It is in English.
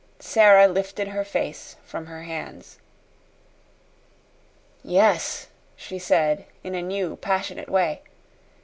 Sara lifted her face from her hands. "Yes," she said in a new passionate way.